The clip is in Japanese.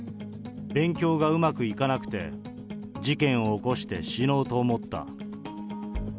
勉強がうまくいかなくて、事件を起こして死のうと思った。